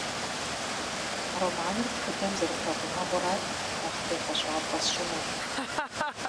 Романыр тхыдэм зэрыпэгъунэгъурат нэхъ тегъэщӏапӏэ сщӏынур.